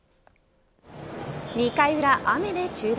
２回裏、雨で中断。